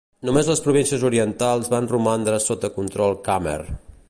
Només les províncies orientals van romandre sota control khmer.